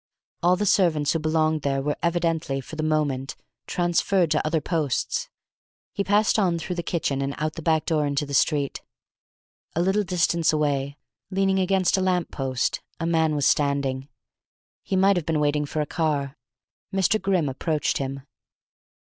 All the servants who belonged there were evidently, for the moment, transferred to other posts. He passed on through the kitchen and out the back door into the street. A little distance away, leaning against a lamp post, a man was standing. He might have been waiting for a car. Mr. Grimm approached him.